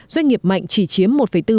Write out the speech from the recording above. doanh nghiệp mạnh chỉ chiếm một bốn